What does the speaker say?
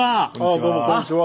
ああどうもこんにちは。